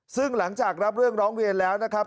ซึ่งหลังจากรับเรื่องร้องเรียนแล้วนะครับ